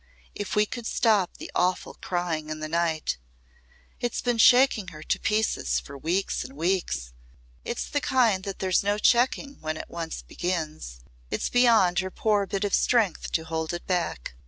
If we could stop the awful crying in the night It's been shaking her to pieces for weeks and weeks It's the kind that there's no checking when it once begins. It's beyond her poor bit of strength to hold it back.